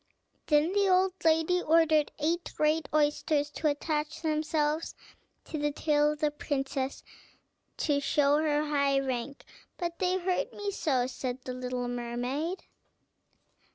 Then the old lady ordered eight great oysters to attach themselves to the tail of the princess to show her high rank. "But they hurt me so," said the little mermaid.